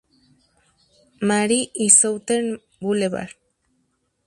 Mary y Southern Boulevard.